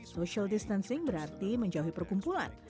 social distancing berarti menjauhi perkumpulan